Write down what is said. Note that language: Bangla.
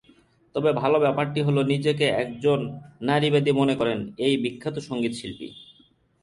তবে ভালো ব্যাপারটি হলো নিজেকে একজন নারীবাদী মনে করেন এই বিখ্যাত সঙ্গীতশিল্পী।